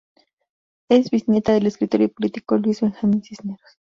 Es bisnieta del escritor y político Luis Benjamín Cisneros.